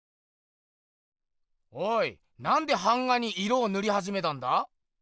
おいなんで版画に色をぬりはじめたんだ？